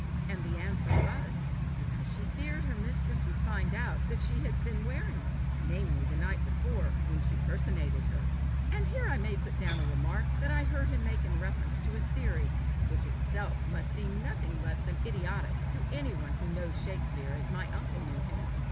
And the answer was, "Because she feared her mistress would find out that she had been wearing it namely, the night before, when she personated her." And here I may put down a remark I heard him make in reference to a theory which itself must seem nothing less than idiotic to any one who knows Shakespeare as my uncle knew him.